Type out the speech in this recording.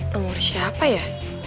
nomor siapa ya